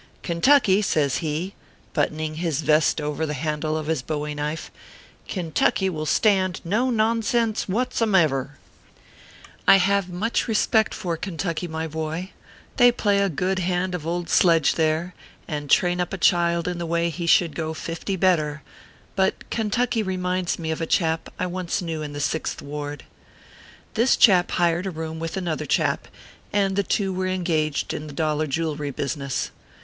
Kentucky/ says he, buttoning his vest over the handle of his bowie knife. " Kentucky will stand no nonsense whatsomever. 16 362 OKPHEUS C. KEBR PAPERS. I have much, respect for Kentucky, my boy ; they play a good hand of Old Sledge there, and train up a child in the way he should go fifty better ; but Ken tucky reminds me of a chap I once knew in the Sixth Ward. This chap hired a room with another chap, and the two were engaged in the dollar jewelry business.